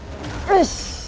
よし！